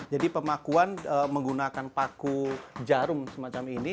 jadi pemakuan menggunakan paku jarum semacam ini